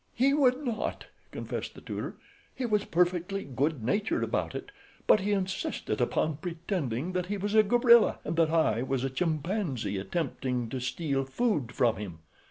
"He would not," confessed the tutor. "He was perfectly good natured about it; but he insisted upon pretending that he was a gorilla and that I was a chimpanzee attempting to steal food from him.